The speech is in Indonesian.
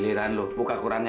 giliran lu buka qurannya